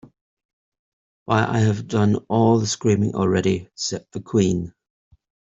‘Why, I’ve done all the screaming already,’ said the Queen.